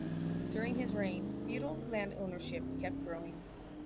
During his reign, feudal landownership kept growing.